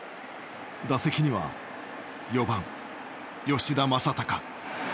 打席には４番吉田正尚。